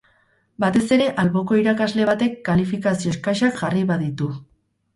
Batez ere alboko irakasle batek kalifikazio eskasak jarri baditu.